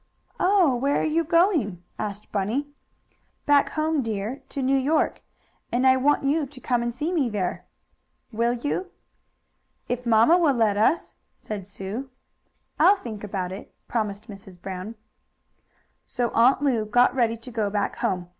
"Oh, where are you going?" asked Bunny. "Back home, dear. To New York. And I want you to come and see me there. Will you?" "If mamma will let us," said Sue. "I'll think about it," promised Mrs. Brown. So Aunt Lu got ready to go back home.